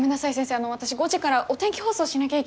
あの私５時からお天気放送しなきゃいけないんです。